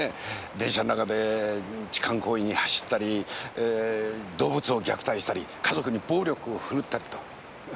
電車の中で痴漢行為に走ったりえ動物を虐待したり家族に暴力をふるったりと。